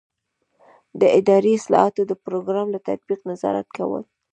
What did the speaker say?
د اداري اصلاحاتو د پروګرام له تطبیق نظارت کول.